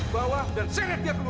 bawah dan seret dia keluar